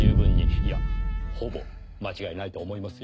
いやほぼ間違いないと思いますよ。